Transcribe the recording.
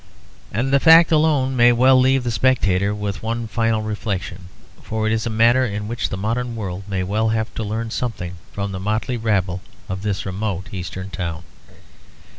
And that fact alone may well leave the spectator with one final reflection; for it is a matter in which the modern world may well have to learn something from the motley rabble of this remote Eastern town.